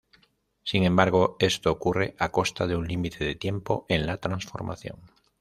Sin embargo, esto ocurre a costa de un límite de tiempo en la transformación.